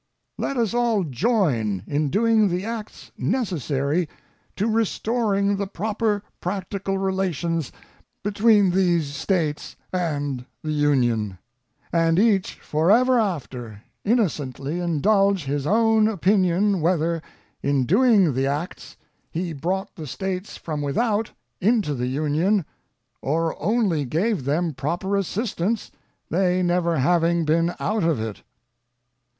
Let us all join in doing the acts necessary to restoring the proper practical relations between these States and the Union; and each forever after, innocently indulge his own opinion whether, in doing the acts, he brought the States from without, into the Union, or only gave them proper assistance, they never having been out of it.